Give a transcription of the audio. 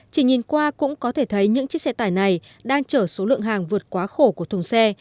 chỉ nhìn qua cũng có thể thấy những chiếc xe tải này đang chở số lượng hàng vượt quá khổ của thùng xe